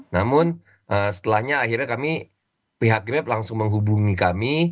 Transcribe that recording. namun setelahnya akhirnya kami pihak grab langsung menghubungi kami